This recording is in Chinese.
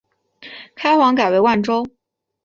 开皇改为万州。